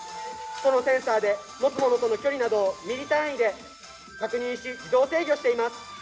そのセンサで持つものとの距離などをミリ単位で確認し自動制御しています。